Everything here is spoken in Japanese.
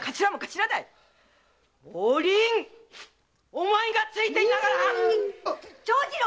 お前がついていながら‼長次郎！